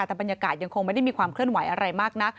แต่บรรยากาศยังคงไม่ได้มีความเคลื่อนไหวอะไรมากนัก